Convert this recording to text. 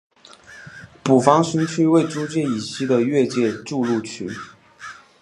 捕房巡区为租界以西的越界筑路区。